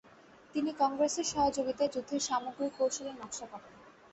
তিনি কংগ্রেসের সহযোগিতায় যুদ্ধের সামগ্রিক কৌশলের নকশা করেন।